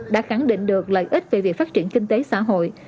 đã khẳng định được lợi ích về việc phát triển kinh tế xã hội